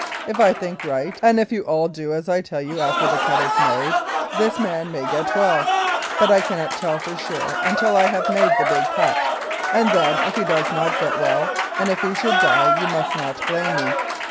If I think right, and if you all do as I tell you after the cut is made, this man may get well, but I cannot tell for sure until I have made the big cut, and then, if he does not get well, and if he should die, you must not blame me.